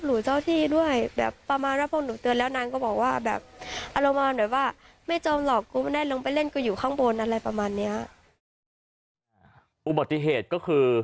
อุบัติเหตุก็คือ